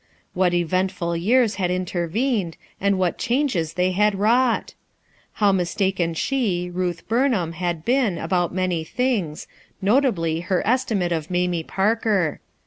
What eventful years h a j intervened, and what changes they had wrought ! How mistaken she, Ruth Burnham, had been about many things, notably her estimate of Mamie Parker.